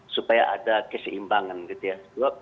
supaya ada keseimbangan gitu ya